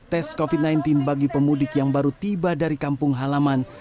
tes covid sembilan belas bagi pemudik yang baru tiba dari kampung halaman